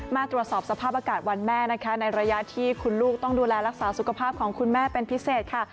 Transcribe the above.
มาตรวจสอบสภาพอากาศวันแม่นะคะในระยะที่คุณลูกต้องดูแลรักษาสุขภาพของคุณแม่เป็นพิเศษค่ะ